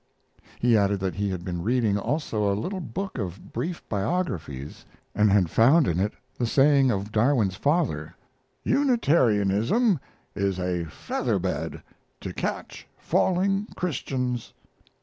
He added that he had been reading also a little book of brief biographies and had found in it the saying of Darwin's father, "Unitarianism is a featherbed to catch falling Christians."